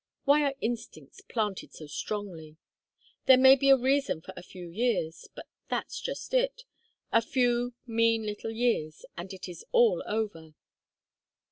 Why are instincts planted so strongly? There may be a reason for a few years; but that's just it, a few mean little years and it is all over.